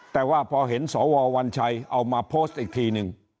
แต่ว่าพอเห็นสววัญชัยเอามาโพสต์อีกทีนึง